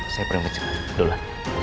saya pamit juga